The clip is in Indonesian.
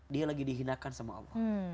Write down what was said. dia lagi dihinakan sama allah